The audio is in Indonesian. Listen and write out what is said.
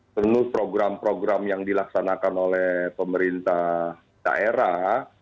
penuh program program yang dilaksanakan oleh pemerintah daerah